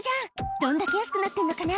「どんだけ安くなってんのかな？